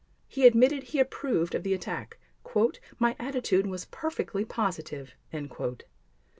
He admitted he approved of the attack: "My attitude was perfectly positive."